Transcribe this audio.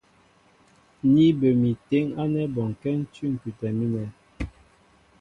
Ní bə mi téŋ ánɛ́ bɔnkɛ́ ń cʉ̂ ŋ̀kʉtɛ mínɛ.